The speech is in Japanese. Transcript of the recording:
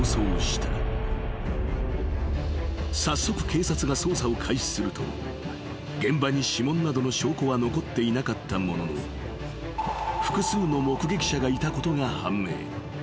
［早速警察が捜査を開始すると現場に指紋などの証拠は残っていなかったものの複数の目撃者がいたことが判明］